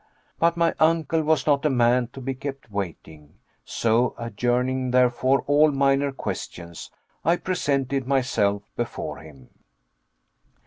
But my uncle was not a man to be kept waiting; so adjourning therefore all minor questions, I presented myself before him.